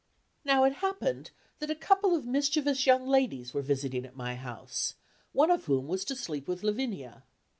Now it happened that a couple of mischievous young ladies were visiting at my house, one of whom was to sleep with Lavinia.